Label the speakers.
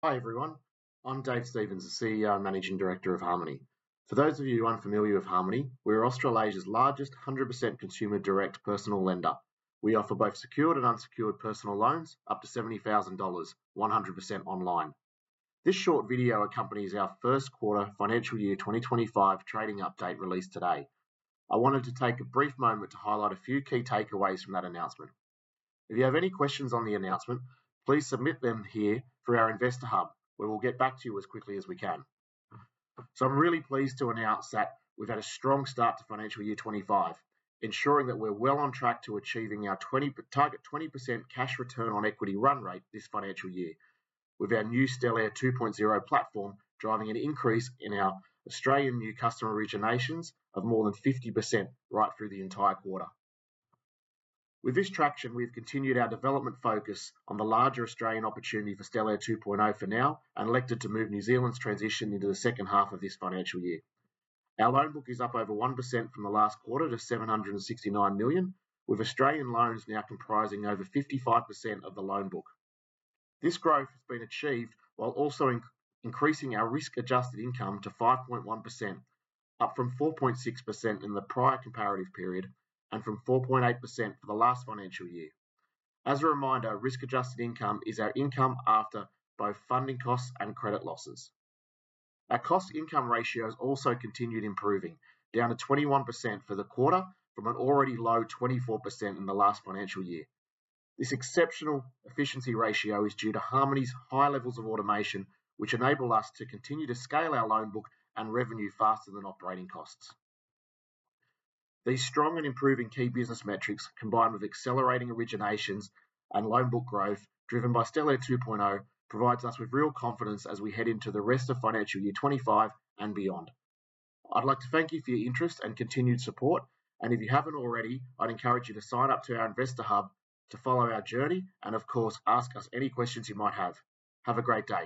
Speaker 1: Hi, everyone. I'm Dave Stevens, CEO and Managing Director of Harmoney. For those of you unfamiliar with Harmoney, we're Australasia's largest 100% consumer-direct personal lender. We offer both secured and unsecured personal loans up to 70,000 dollars, 100% online. This short video accompanies our first quarter financial year 2025 trading update released today. I wanted to take a brief moment to highlight a few key takeaways from that announcement. If you have any questions on the announcement, please submit them here through our Investor Hub. We will get back to you as quickly as we can. So I'm really pleased to announce that we've had a strong start to financial year 2025, ensuring that we're well on track to achieving our 20% target cash return on Equity run rate this financial year. With our new Stellare 2.0 platform, driving an increase in our Australian new customer originations of more than 50% right through the entire quarter. With this traction, we've continued our development focus on the larger Australian opportunity for Stellare 2.0 for now, and elected to move New Zealand's transition into the second half of this financial year. Our loan book is up over 1% from the last quarter to 769 million, with Australian loans now comprising over 55% of the loan book. This growth has been achieved while also increasing our risk-adjusted income to 5.1%, up from 4.6% in the prior comparative period and from 4.8% for the last financial year. As a reminder, risk-adjusted income is our income after both funding costs and credit losses. Our cost-to-income ratio has also continued improving, down to 21% for the quarter from an already low 24% in the last financial year. This exceptional efficiency ratio is due to Harmoney's high levels of automation, which enable us to continue to scale our loan book and revenue faster than operating costs. These strong and improving key business metrics, combined with accelerating originations and loan book growth driven by Stellare 2.0, provides us with real confidence as we head into the rest of financial year 2025 and beyond. I'd like to thank you for your interest and continued support, and if you haven't already, I'd encourage you to sign up to our Investor Hub to follow our journey and of course, ask us any questions you might have. Have a great day!